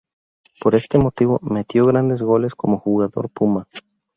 Por este motivo, metió grandes goles como jugador puma.